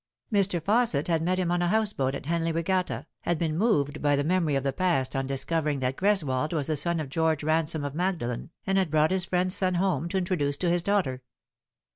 Mr. Fausset had met him on a house boat at Henley Regatta, had been moved by the memory of the past on discovering that Greswold was the son of George Bansome of Magdalen, and had brought his friend's son home to introduce to his daughter.